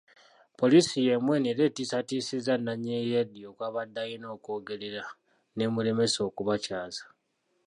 Poliisi yeemu eno era etiisizatiisiza nannyini leediyo kw’abadde alina okwogerera n’emulemesa okubakyaza.